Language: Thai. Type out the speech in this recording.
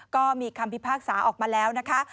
ก็มีคำพิพากษาออกมาแล้วนะคะ